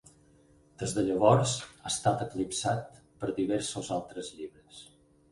Des de llavors ha estat eclipsat per diversos altres llibres.